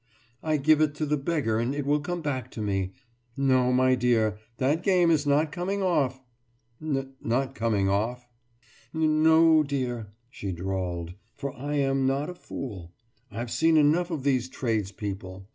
I give it to the beggar and it will come back to me.... No, my dear, that game is not coming off!« »N not coming off?« »N no, dear,« she drawled, »for I am not a fool. I've seen enough of these tradespeople.